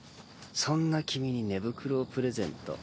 そんな君に寝袋をプレゼント。